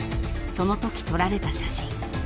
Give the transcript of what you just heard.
［そのとき撮られた写真］